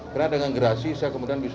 karena dengan gerasi saya kemudian bisa